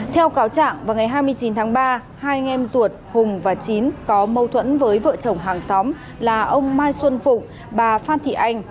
theo cáo trạng vào ngày hai mươi chín tháng ba hai anh em ruột hùng và chín có mâu thuẫn với vợ chồng hàng xóm là ông mai xuân phụng bà phan thị anh